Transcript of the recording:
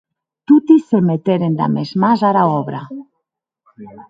Toti se meteren damb es mans ara òbra.